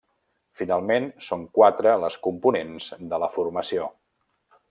Finalment són quatre les components de la formació.